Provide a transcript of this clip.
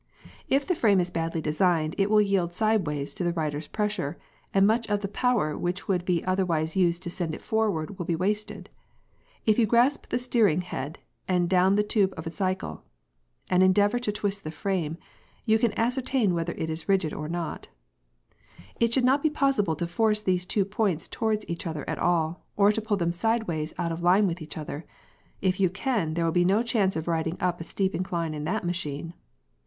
If the frame is badly designed it will yield sideways to the rider's pressure, and much of the power which would be otherwise used to send it forward will be wasted. If you grasp the steering head and the down tube of a cycle (see Fig. 7) and endeavour to twist the frame, youcan ascertain whether it is rigid or not. It should not be possible to force these two points towards each other at all, or to pull them sideways out of line with each other. If you can, there will be no chance of riding up a steep incline on that machine!